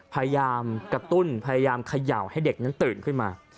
พยายามกระตุ้นพยายามเขย่าให้เด็กนั้นตื่นขึ้นมา